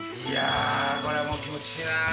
いやあこれはもう気持ちいいな！